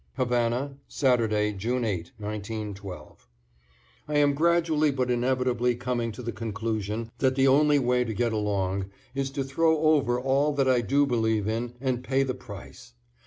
=Havana, Saturday, June 8, 1912.= I am gradually but inevitably coming to the conclusion that the only way to get along is to throw over all that I do believe in and pay the price.